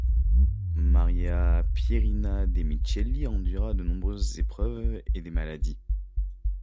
Maria Pierina De Micheli endura de nombreuses épreuves et maladies.